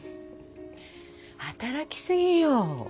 働きすぎよ。